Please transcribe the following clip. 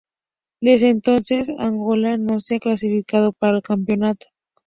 Desde entonces, Angola no se ha clasificado para el campeonato.